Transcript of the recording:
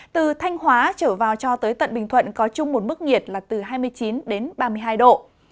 từ thanh hóa trở vào cho tới tận bình thuận có chung một mức nhiệt là từ hai mươi chín đến ba mươi hai độ